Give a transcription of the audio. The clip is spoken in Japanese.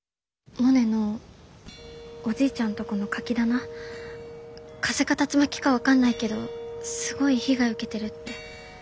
モネのおじいちゃんとこのカキ棚風か竜巻か分かんないけどすごい被害受けてるって。